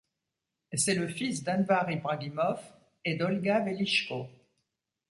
C'est le fils d'Anvar Ibragimov et d'Olga Velichko.